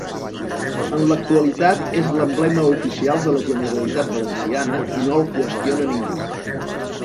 En l'actualitat és l'emblema oficial de la Generalitat Valenciana i no el qüestiona ningú.